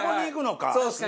そうですね。